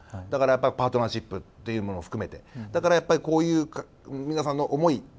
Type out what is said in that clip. だからやっぱりパートナーシップっていうのも含めてだからこういう皆さんの思い